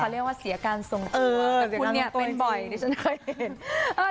เรียกว่าเสียการทรงเออแต่คุณเนี่ยเป็นบ่อยดิฉันเคยเห็น